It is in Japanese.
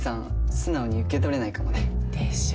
素直に受け取れないかもね。でしょ？